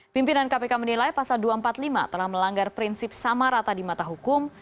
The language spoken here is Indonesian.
pimpinan kpk menilai pasal dua ratus empat puluh lima telah melanggar prinsip sama rata di mata hukum